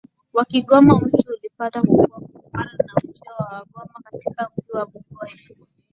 wa Kigoma mji ulipata kukua kutokana na ujio wa Wagoma katika mji wa Bugoye